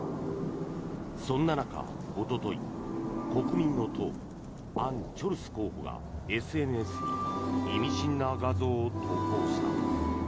そんな中、おととい国民の党、アン・チョルス候補がＳＮＳに意味深な画像を投稿した。